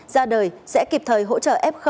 ra đời sẽ kịp thời hỗ trợ f